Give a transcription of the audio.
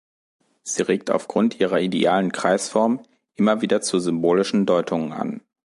Sie regt auf Grund ihrer idealen Kreisform immer wieder zu symbolischen Deutungen an.